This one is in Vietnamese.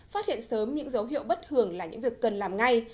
phát hiện sớm những dấu hiệu bất thường là những việc cần làm ngay